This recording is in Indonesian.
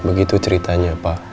begitu ceritanya pak